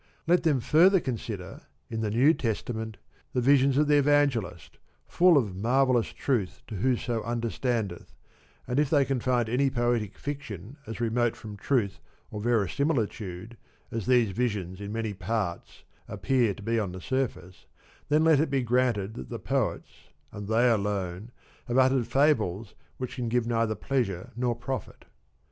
Let them further consider, in the New Testament, the visions of the Evangelist, full of mar vellous truth to whoso understandeth, and if they can find any poetic fiction as remote from truth or veri similitude as these visions in many parts appear to be on the surface, then let it be granted that the Poets, and they alone, have uttered fables which can give neither pleasure nor profit.